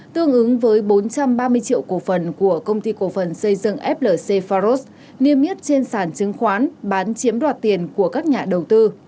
tương ứng với bốn trăm ba mươi triệu cổ phần của công ty cổ phần xây dựng flc faros niêm yết trên sản chứng khoán bán chiếm đoạt tiền của các nhà đầu tư